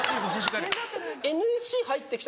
ＮＳＣ入って来た時に